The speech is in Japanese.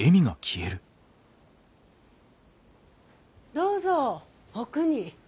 ・どうぞ奥に。